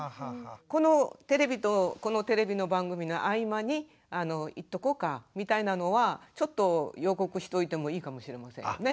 このテレビとこのテレビの番組の合間に行っとこうかみたいなのはちょっと予告しといてもいいかもしれませんよね。